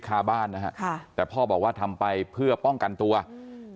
คาบ้านนะฮะค่ะแต่พ่อบอกว่าทำไปเพื่อป้องกันตัวอืม